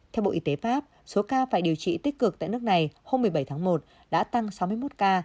theo bộ y tế pháp số ca phải điều trị tích cực tại nước này hôm một mươi bảy tháng một đã tăng sáu mươi một ca